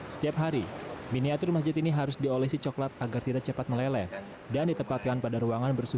setiap hari miniatur masjid ini harus diolesi coklat agar tidak cepat meleleh dan ditempatkan pada ruangan berbeda